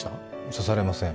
刺されません。